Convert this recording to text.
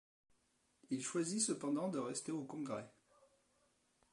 Il choisit cependant de rester au Congrès.